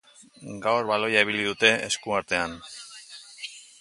Gaur baloia ibili dute esku artean.